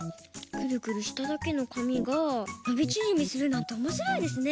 クルクルしただけのかみがのびちぢみするなんておもしろいですね。